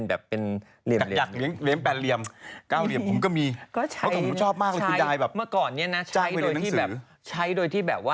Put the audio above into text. อายุทยาสุโขฮไทย